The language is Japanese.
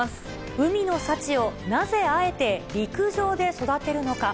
海の幸をなぜあえて陸上で育てるのか。